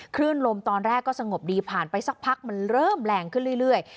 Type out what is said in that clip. คลื่นลมตอนแรกก็สงบดีผ่านไปสักพักมันเริ่มแรงขึ้นเรื่อย